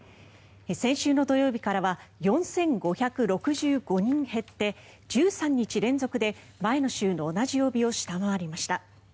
先週の土曜日からは４５６５人減って１３日連続で前の週の同じ曜日を下回りました。